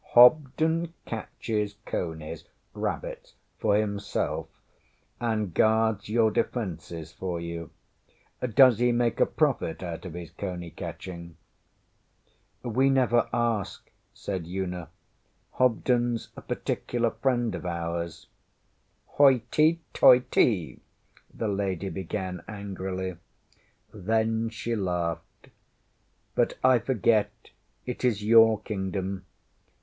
Hobden catches conies rabbits for himself, and guards your defences for you. Does he make a profit out of his coney catching? ŌĆÖ ŌĆśWe never ask, ŌĆÖ said Una. ŌĆśHobdenŌĆÖs a particular friend of ours. ŌĆÖ ŌĆśHoity toity! ŌĆÖ the lady began angrily. Then she laughed. ŌĆśBut I forget. It is your Kingdom.